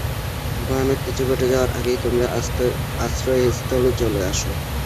ভয়ানক কিছু ঘটে যাওয়ার আগেই তোমার আশ্রয়স্থলে চলে আসো!